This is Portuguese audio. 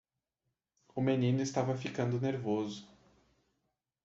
O menino estava ficando nervoso.